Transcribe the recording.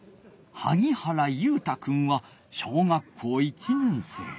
萩原佑太くんは小学校１年生。